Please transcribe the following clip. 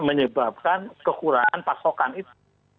menyebabkan kekurangan pasokan itu